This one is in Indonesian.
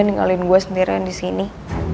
ngingalin gue sendirian disini